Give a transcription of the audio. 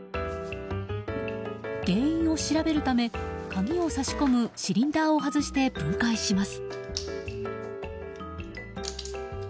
原因を調べるため鍵を挿し込むシリンダーを外して分解します。